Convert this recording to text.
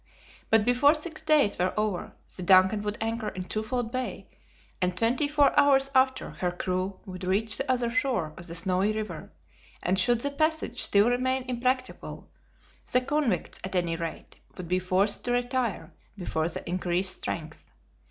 But before six days were over, the DUNCAN would anchor in Twofold Bay, and twenty four hours after her crew would reach the other shore of the Snowy River; and should the passage still remain impracticable, the convicts at any rate would be forced to retire before the increased strength.